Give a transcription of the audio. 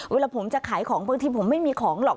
เวลาผมจะขายของบางทีผมไม่มีของหรอก